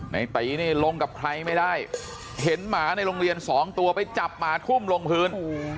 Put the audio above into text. ในตีนี่ลงกับใครไม่ได้เห็นหมาในโรงเรียนสองตัวไปจับหมาทุ่มลงพื้น